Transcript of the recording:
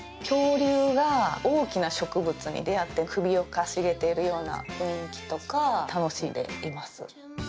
恐竜が大きな植物に出会って首をかしげているような雰囲気とか楽しんでいます。